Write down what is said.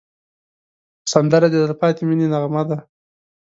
سندره د تل پاتې مینې نغمه ده